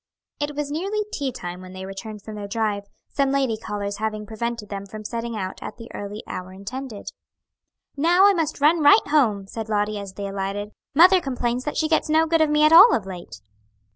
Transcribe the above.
It was nearly tea time when they returned from their drive, some lady callers having prevented them from setting out at the early hour intended. "Now I must run right home," said Lottie, as they alighted. "Mother complains that she gets no good of me at all of late."